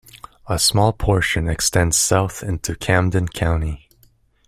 A small portion extends south into Camden County.